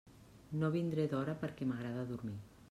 No vindré d'hora perquè m'agrada dormir.